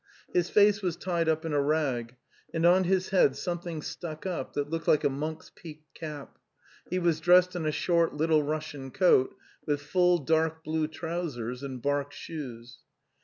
His face was tied up in a rag, and on his head some thing stuck up that looked like a monk's peaked cap; he was dressed in a short Little Russian coat, with full dark blue trousers and bark shoes.